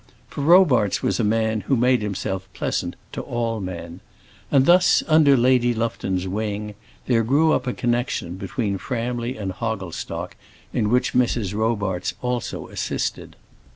For Robarts was a man who made himself pleasant to all men. And thus, under Lady Lufton's wing, there grew up a connection between Framley and Hogglestock, in which Mrs. Robarts also assisted.